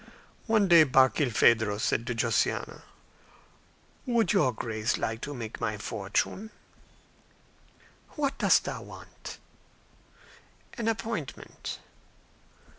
One day Barkilphedro said to Josiana, "Would your Grace like to make my fortune?". "What dost thou want?" "An appointment."